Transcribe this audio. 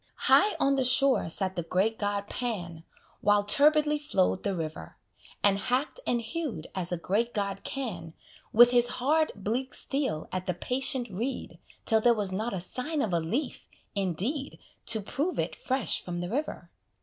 High on the shore sat the great god Pan, While turbidly flow'd the river; And hack'd and hew'd as a great god can, With his hard, bleak steel at the patient reed, Till there was not a sign of a leaf, indeed, To prove it fresh from the river.